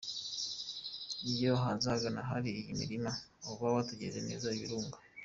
Iyo uhagaze ahari iyi mirima uba witegeye neza ibirunga.